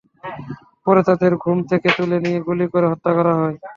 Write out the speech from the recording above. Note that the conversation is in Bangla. পরে তাঁদের ঘুম থেকে তুলে নিয়ে গুলি করে হত্যা করা হয়।